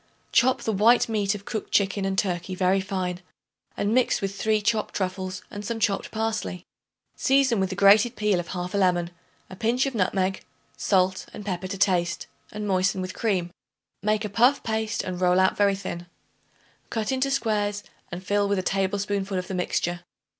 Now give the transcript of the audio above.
Chop the white meat of cooked chicken and turkey very fine and mix with 3 chopped truffles and some chopped parsley. Season with the grated peel of 1/2 lemon, a pinch of nutmeg, salt and pepper to taste, and moisten with cream. Make a puff paste and roll out very thin. Cut into squares and fill with a tablespoonful of the mixture.